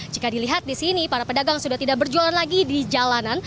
jika dilihat di sini para pedagang sudah tidak berjualan lagi di jalanan